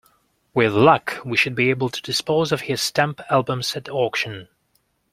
With luck, we should be able to dispose of his stamp albums at auction